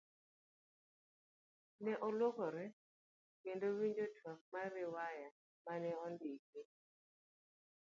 Ne oluokore kendo winjo twak mar riwaya mane ondiko.